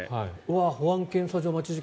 保安検査場待ち時間。